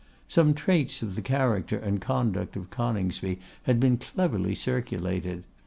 Some traits of the character and conduct of Coningsby had been cleverly circulated.